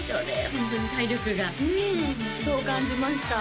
ホントに体力がそう感じました